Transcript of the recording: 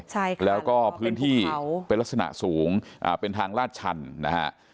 ใช่ค่ะแล้วก็พื้นที่เป็นลักษณะสูงอ่าเป็นทางลาดชันนะฮะ